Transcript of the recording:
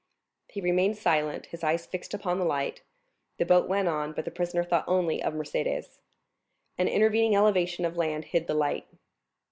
He remained silent, his eyes fixed upon the light; the boat went on, but the prisoner thought only of Mercédès. An intervening elevation of land hid the light.